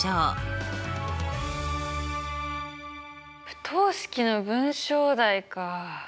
不等式の文章題かあ。